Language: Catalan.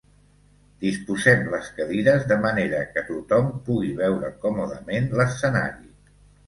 Disposem les cadires de manera que tothom pugui veure còmodament l'escenari.